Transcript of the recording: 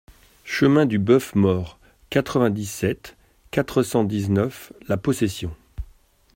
Chemin du Boeuf Mort, quatre-vingt-dix-sept, quatre cent dix-neuf La Possession